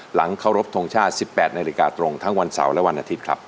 หลังเคารพทงชาติ๑๘นาฬิกาตรงทั้งวันเสาร์และวันอาทิตย์ครับ